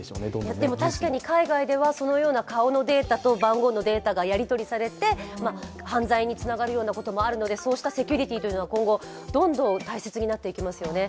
でも確かに海外ではそのような顔のデータと番号が流通していて犯罪につながるようなこともあるのでそうしたセキュリティーは今後、どんどん大切になっていきますよね。